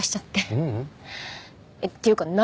ううん。っていうか何？